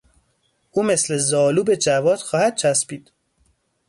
او مثل زالو به جواد خواهد چسبید.